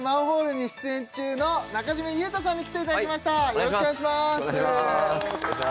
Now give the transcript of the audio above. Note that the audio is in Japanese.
よろしくお願いします